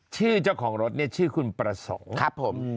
ชื่อเจ้าของรถเนี่ยชื่อคุณประสงค์ครับผม